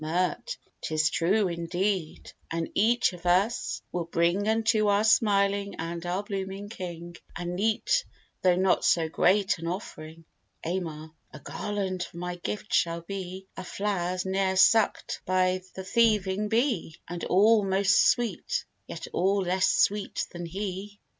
MIRT. 'Tis true, indeed; and each of us will bring Unto our smiling and our blooming King, A neat, though not so great an offering. AMAR. A garland for my gift shall be, Of flowers ne'er suck'd by th' thieving bee; And all most sweet, yet all less sweet than he.